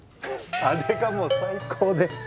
あれがもう最高でははっ。